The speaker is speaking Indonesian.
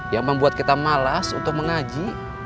yang membuat kita malas untuk mengaji